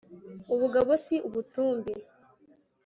ubugabo si ubutumbi